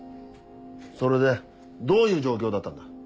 それでどういう状況だったんだ。